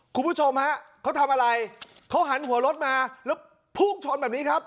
คุณผู้ชมฮะเขาทำอะไรเขาหันหัวรถมาแล้วพุ่งชนแบบนี้ครับ